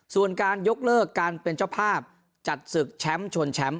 ส่วนการยกเลิกการเป็นเจ้าภาพจัดศึกแชมป์ชนแชมป์